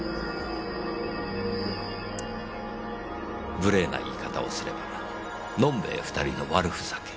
無礼な言い方をすれば「のんべえ２人の悪ふざけ」。